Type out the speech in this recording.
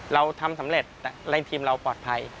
เราทำสำเร็จแต่แรงทีมเราปลอดภัย